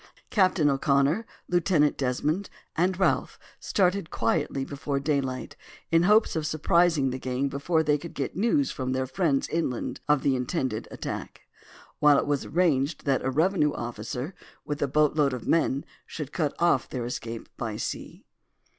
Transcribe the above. Captain O'Connor, Lieutenant Desmond, and Ralph started quietly before daylight in hopes of surprising the gang before they could get news from their friends inland of the intended attack; while it was arranged that a revenue officer, with a boat load of men, should cut off their escape by sea.